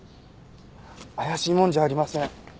怪しい者じゃありません。